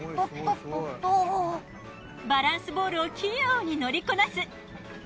バランスボールを器用に乗りこなす。